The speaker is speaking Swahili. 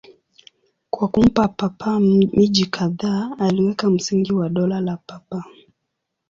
Kwa kumpa Papa miji kadhaa, aliweka msingi wa Dola la Papa.